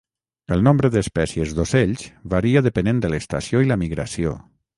El nombre d"espècies d"ocells varia depenent de l"estació i la migració.